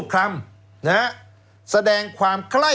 แล้วเขาก็ใช้วิธีการเหมือนกับในการ์ตูน